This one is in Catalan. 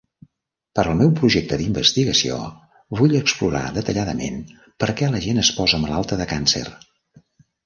Per al meu projecte d"investigació, vull explorar detalladament perquè la gent es posa malalta de càncer.